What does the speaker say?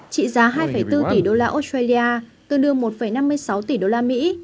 trị giá hai bốn tỷ đô la australia tương đương một năm mươi sáu tỷ đô la mỹ